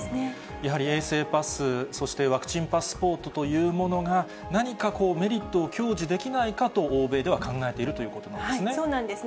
やはり衛生パス、そしてワクチンパスポートというものが、何かこう、メリットを享受できないかと欧米では考えているということなんでそうなんですね。